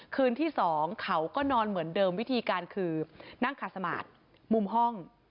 คืนที่๒เขาก็นอนเหมือนเดิมวิธีการคือนั่งขาดสมาธิมุมห้อง